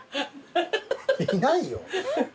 いないよ。